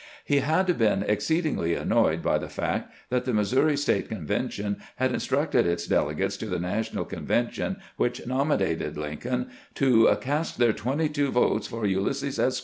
He had been exceedingly annoyed by the fact that the Missouri State Convention had in structed its delegates to the National Convention which nominated Lincoln to " cast their twenty two votes for Ulysses S.